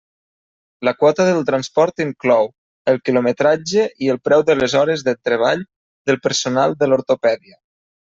La quota del transport inclou: el quilometratge i el preu de les hores de treball del personal de l'ortopèdia.